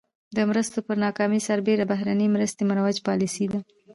د مرستو پر ناکامۍ سربېره بهرنۍ مرستې مروجه پالیسي ده.